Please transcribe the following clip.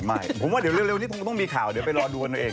ไม่ผมว่าเร็วนี้ต้องมีข่าวเดี๋ยวไปรอดูกันด้วยเอง